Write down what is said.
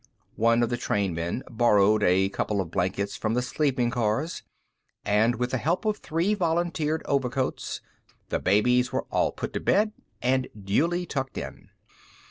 One of the trainmen borrowed a couple of blankets from the sleeping cars, and with the help of three volunteered overcoats, the babies were all put to bed, and duly tucked in.